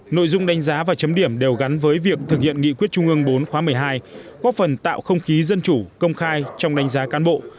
nội dung đánh giá và chấm điểm đều gắn với việc thực hiện nghị quyết trung ương bốn khóa một mươi hai góp phần tạo không khí dân chủ công khai trong đánh giá cán bộ